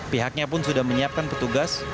pihaknya pun sudah menyiapkan petugas